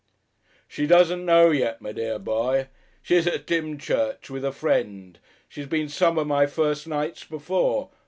"She doesn't know yet, my dear boy. She's at Dymchurch with a friend. She's seen some of my first nights before....